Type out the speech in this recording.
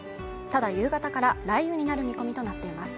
ただ夕方から雷雨になる見込みとなっています